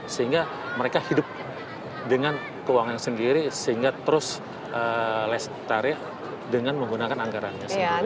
sehingga mereka hidup dengan keuangan sendiri sehingga terus less tarif dengan menggunakan anggarannya sendiri